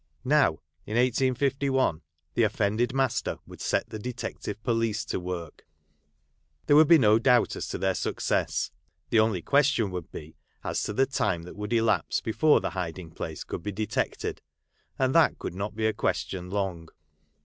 Now, in 1851, the offended master would set the Detective Police to work ; there would be no doubt as to their success ; the only question would be as to the time that would elapse before the hiding place could be detected, and that could not be a question long.